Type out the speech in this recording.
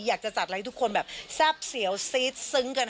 อยากจะจัดอะไรให้ทุกคนแบบแซ่บเสียวซีดซึ้งกัน